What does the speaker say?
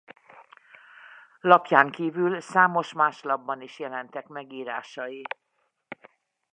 Lapján kívül számos más lapban is jelentek meg írásai.